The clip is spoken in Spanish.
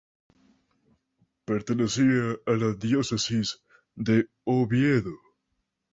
Pertenecía a la diócesis de Oviedo.